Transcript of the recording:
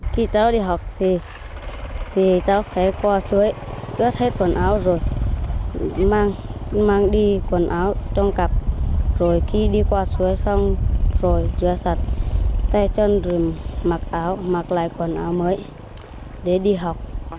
khi cháu đi học thì cháu sẽ qua suối ớt hết quần áo rồi mang đi quần áo trong cặp rồi khi đi qua suối xong rồi rửa sạch tay chân rồi mặc áo mặc lại quần áo mới để đi học